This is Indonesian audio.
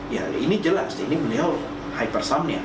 ya ini jelas ini beliau hypersomnya